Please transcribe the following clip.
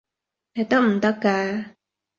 你得唔得㗎？